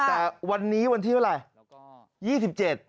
แต่วันนี้วันที่เท่าไหร่